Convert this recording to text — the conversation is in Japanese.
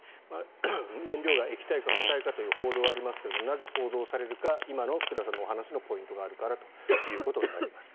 燃料が液体か固体かという報道がありますがなぜ報道されるか今の福田さんのお話のポイントがあるからということになります。